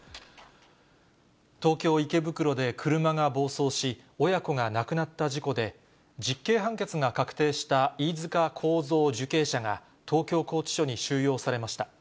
東京・池袋で車が暴走し、親子が亡くなった事故で、実刑判決が確定した飯塚幸三受刑者が、東京拘置所に収容されました。